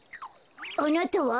あなたは？